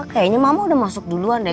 kayaknya mama udah masuk duluan deh